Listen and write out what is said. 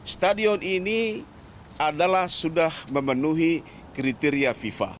stadion ini adalah sudah memenuhi kriteria fifa